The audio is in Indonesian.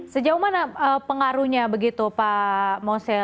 sejauh mana pengaruhnya begitu pak mosel